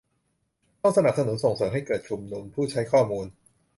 ต้องสนับสนุนส่งเสริมให้เกิดชุมชนผู้ใช้ข้อมูล